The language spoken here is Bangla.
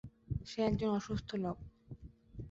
সে একজন অসুস্থ লোক।